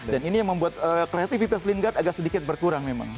dan ini yang membuat kreativitas lingard agak sedikit berkurang memang